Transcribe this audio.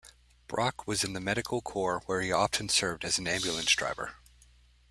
Brock was in the Medical Corps where he often served as an ambulance driver.